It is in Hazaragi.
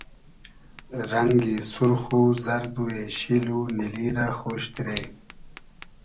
رئنگی سورخ و زئرد و اېشیل و نیلی رۂ خۉش دیرې